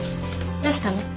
どうしたの？